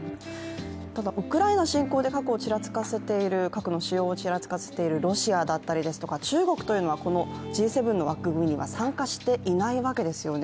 ただウクライナ侵攻で核の使用をちらつかせているロシアだったり、中国というのはＧ７の枠組みには参加していないわけですね。